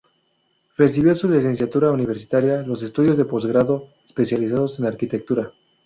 Recibió su Licenciatura universitaria Los estudios de postgrado especializados en arquitectura.